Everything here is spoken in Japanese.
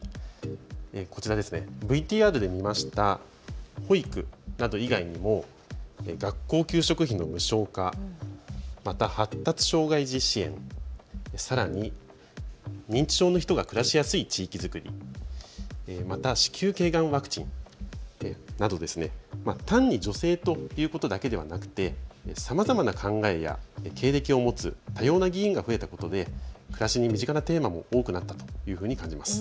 こちらＶＴＲで見ました保育など以外にも学校給食費の無償化や発達障害児支援、さらに、認知症の人が暮らしやすい地域作り、また子宮頸がんワクチンなど、単に女性ということだけではなくてさまざまな考えや経歴を持つ多様な議員が増えたことで暮らしに身近なテーマも多くなったというふうに感じます。